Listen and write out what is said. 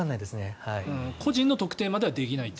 個人の特定はできない。